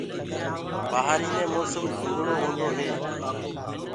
بهآري مي موسم ڌُندݪو هوندو هي۔